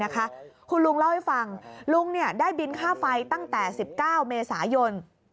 คุณลุงเล่าให้ฟังลุงได้บินค่าไฟตั้งแต่๑๙เมษายน